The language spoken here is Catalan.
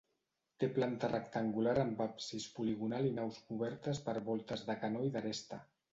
Té planta rectangular amb absis poligonal i naus cobertes per voltes de canó i d'aresta.